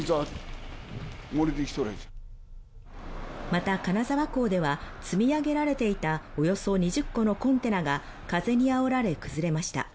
また、金沢港では積み上げられていたおよそ２０個のコンテナが風にあおられ、崩れました。